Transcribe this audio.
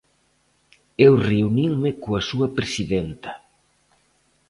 Eu reuninme coa súa presidenta.